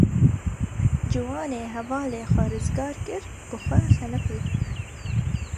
Ciwanê hevalê xwe rizgar kir bi xwe xeniqî.